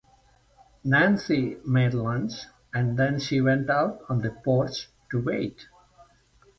Nancy made lunch, and then she went out on the porch to wait.